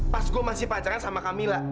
pas gue masih pacaran sama camilla